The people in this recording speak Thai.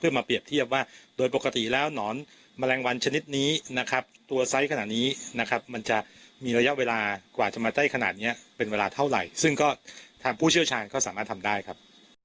มาเปรียบเทียบว่าโดยปกติแล้วหนอนแมลงวันชนิดนี้นะครับตัวไซส์ขนาดนี้นะครับมันจะมีระยะเวลากว่าจะมาได้ขนาดนี้เป็นเวลาเท่าไหร่ซึ่งก็ทางผู้เชี่ยวชาญก็สามารถทำได้ครับ